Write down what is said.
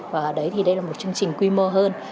và đây là một chương trình quy mô hơn